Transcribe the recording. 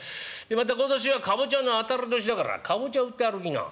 また今年はかぼちゃの当たり年だからかぼちゃ売って歩きな」。